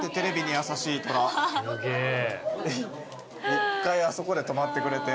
一回あそこで止まってくれて。